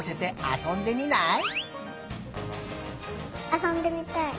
あそんでみたい。